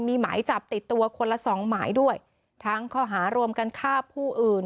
มีหมายจับติดตัวคนละสองหมายด้วยทั้งข้อหารวมกันฆ่าผู้อื่น